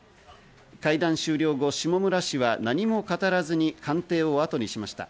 会談終了後、下村氏は何も語らずに官邸をあとにしました。